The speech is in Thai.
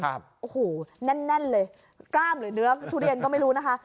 โอ้โหแน่นเลยกล้ามหรือเนื้อทุเรียนก็ไม่รู้นะคะ